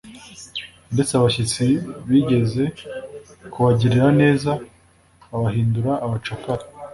ndetse abashyitsi bigeze kubagirira neza, babahindura abacakara.